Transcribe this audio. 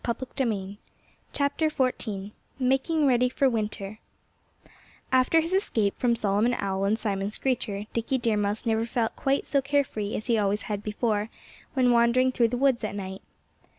XIV MAKING READY FOR WINTER After his escape from Solomon Owl and Simon Screecher, Dickie Deer Mouse never felt quite so care free as he always had before, when wandering through the woods at night.